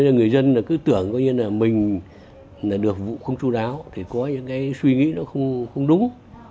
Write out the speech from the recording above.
người dân cứ tưởng mình được vụ không chú đáo có những suy nghĩ không đúng